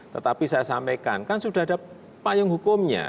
tetapi saya sampaikan kan sudah ada payung hukumnya